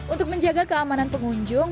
untuk menjaga keamanan pengunjung